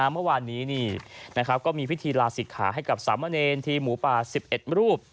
เมื่อวานนี้ก็มีพิธีลาศิกขาให้กับสามเณรทีมหมูป่า๑๑รูป